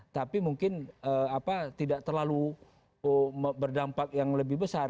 tapi mungkin tidak terlalu berdampak yang lebih besar